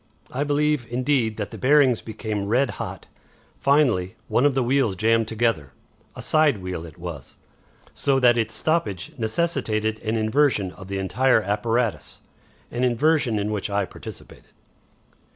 I believe, indeed, that the bearings became red hot. Finally one of the wheels jammed together. A side wheel it was, so that its stoppage necessitated an inversion of the entire apparatus, an inversion in which I participated."